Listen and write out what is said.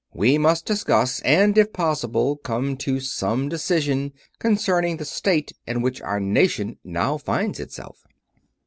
We must discuss, and if possible come to some decision concerning, the state in which our nation now finds itself.